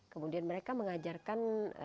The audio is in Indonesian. kemudian mereka mengajarkan